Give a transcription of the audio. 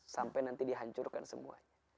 sampai nanti dihancurkan semuanya